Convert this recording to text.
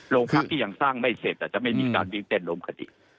โรงพักที่ยังสร้างไม่เสร็จอาจจะไม่มีการวิ่งเต้นลงคดี